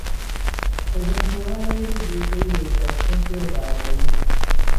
Eventualaj rezultoj estas konservataj.